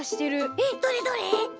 えっどれどれ？